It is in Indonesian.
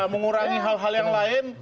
mengurangi hal hal yang lain